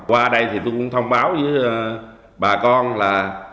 qua đây thì tôi cũng thông báo với bà con là